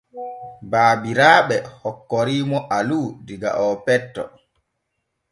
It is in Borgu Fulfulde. Baabiraaɓe hokkori mo Alu illa oo petto.